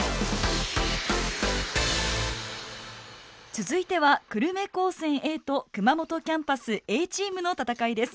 続いては久留米高専Ａと熊本キャンパスＡチームの戦いです。